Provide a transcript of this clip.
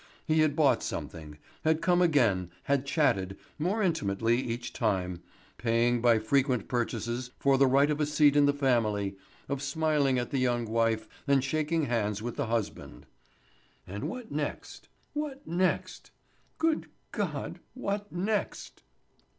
He had bought something, had come again, had chatted, more intimately each time, paying by frequent purchases for the right of a seat in the family, of smiling at the young wife and shaking hands with the husband. And what next—what next—good God—what next?